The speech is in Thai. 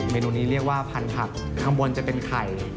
เนนูนี้เรียกว่าพันธุ์ผักข้างบนจะเป็นไข่